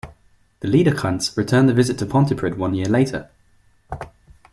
The Liederkranz returned the visit to Pontypridd one year later.